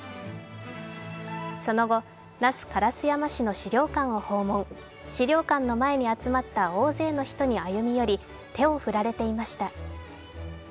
その後、那須烏山市の資料館を訪問資料館の前に集まった大勢の人に歩み寄り、手を振られていました。